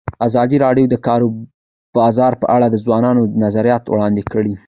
ازادي راډیو د د کار بازار په اړه د ځوانانو نظریات وړاندې کړي.